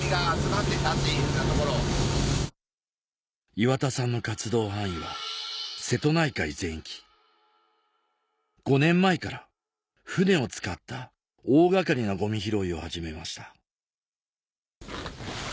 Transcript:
岩田さんの活動範囲は瀬戸内海全域５年前から船を使った大掛かりなゴミ拾いを始めました